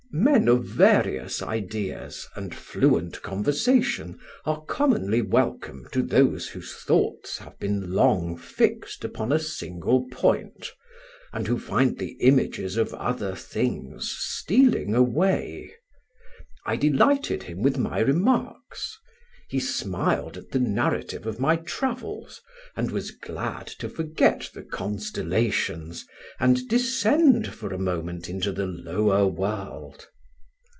Men of various ideas and fluent conversation are commonly welcome to those whose thoughts have been long fixed upon a single point, and who find the images of other things stealing away. I delighted him with my remarks. He smiled at the narrative of my travels, and was glad to forget the constellations and descend for a moment into the lower world.